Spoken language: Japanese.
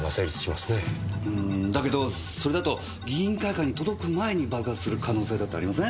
うーんだけどそれだと議員会館に届く前に爆発する可能性だってありません？